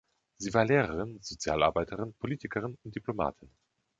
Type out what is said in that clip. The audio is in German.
Sie war Lehrerin, Sozialarbeiterin, Politikerin und Diplomatin.